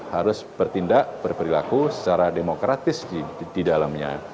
harus bertindak berperilaku secara demokratis di dalamnya